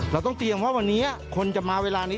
เราต้องเตรียมว่าวันนี้คนจะมาเวลานี้